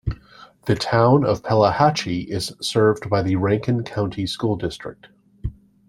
The Town of Pelahatchie is served by the Rankin County School District.